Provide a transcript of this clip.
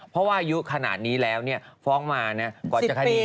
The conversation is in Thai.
เพราะอายุขนาดนี้แล้วเนี่ยฟ้องมาเนี่ย๑๐ปี